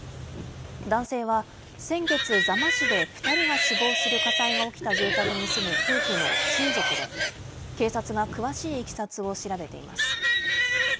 男性は先月、座間市で２人が死亡する火災が起きた住宅に住む夫婦の親族で、警察が詳しいいきさつを調べています。